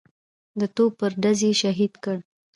د توپ پر ډز یې شهید کړ.